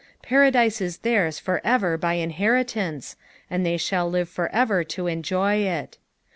Paradise is theirs for ever by inheritance, and they shall live for ever to enjoy it.